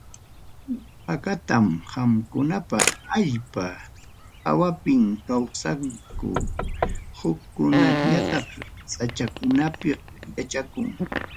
Huk akatanqakunaqa allpa hawapim kawsanku, hukkunañataq sachakunapim yachanku.